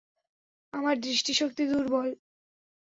আমার দৃষ্টিশক্তি দুর্বল।